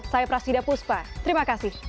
saya prasida puspa terima kasih